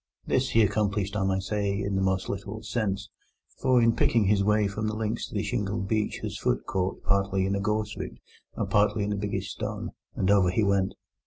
This he accomplished, I may say, in the most literal sense, for in picking his way from the links to the shingle beach his foot caught, partly in a gorse root and partly in a biggish stone, and over he went.